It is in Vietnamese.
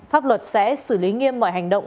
pháp luật sẽ xử lý nghiêm mọi hành động